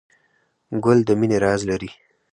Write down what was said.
ګل د مینې راز لري.